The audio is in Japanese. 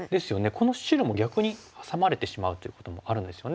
この白も逆にハサまれてしまうということもあるんですよね。